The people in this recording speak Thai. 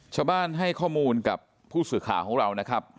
ชาวบ้านให้ข้อมูลกับผู้สื่อข่าวของเรานะครับ